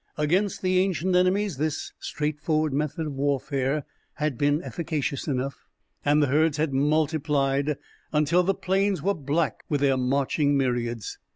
Against the ancient enemies this straightforward method of warfare had been efficacious enough, and the herds had multiplied till the plains were black with their marching myriads.